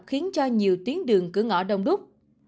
khiến cho nhiều tuyến đường cửa ngõ đông đúc